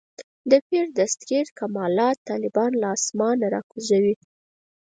د پیر دستګیر کمالات طالبان له اسمانه راکوزوي.